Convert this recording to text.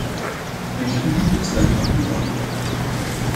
Wij hebben dit besluit verwelkomd.